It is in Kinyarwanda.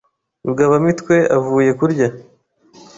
Rugabamitwe avuye kurya